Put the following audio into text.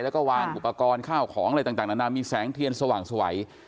แล้วก็วางอุปกรณ์ข้าวของอะไรต่างนานามีแสงเทียนสว่างสวัย